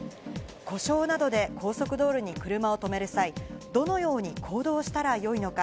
故障などで高速道路に車を停める際、どのように行動したらよいのか。